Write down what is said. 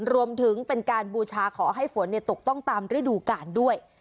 รวมถึงเป็นการบูชาขอให้ฝนตกต้องตามฤดูกาลด้วย